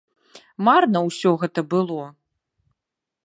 Марна ўсё гэта было.